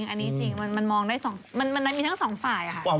อันนี้จริงมันมองได้มันมีทั้งสองฝ่ายค่ะ